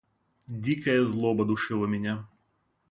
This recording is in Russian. Дикая злоба душила меня.